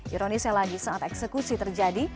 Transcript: ironisnya lagi saat eksekusi terjadi